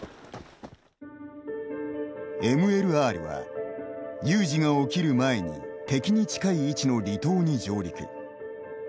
ＭＬＲは、有事が起きる前に敵に近い位置の離島に上陸。